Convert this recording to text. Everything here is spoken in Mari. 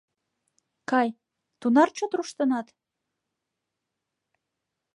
— Кай, тунар чот руштынат?